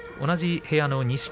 同じ部屋の錦